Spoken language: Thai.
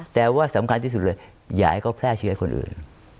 แต่ว่าสำคัญที่สุดเลยอย่าให้เขาแพร่เชื้อให้คนอื่น